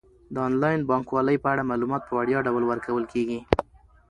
د انلاین بانکوالۍ په اړه معلومات په وړیا ډول ورکول کیږي.